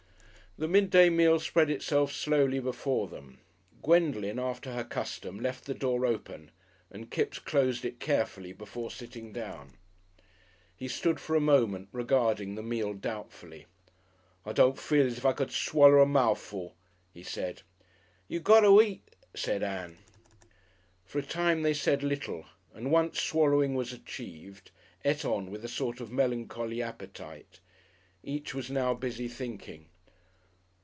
The midday meal spread itself slowly before them. Gwendolen, after her custom, left the door open and Kipps closed it carefully before sitting down. He stood for a moment, regarding the meal doubtfully. "I don't feel as if I could swaller a moufful," he said. "You got to eat," said Ann.... For a time they said little, and once swallowing was achieved, ate on with a sort of melancholy appetite. Each was now busy thinking.